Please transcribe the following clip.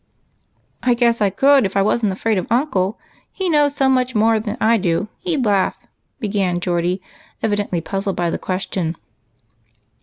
" I guess I could, if I was n't afraid of uncle. He knows so much more than I do, he'd laugh," began Geordie, evidently puzzled by the question.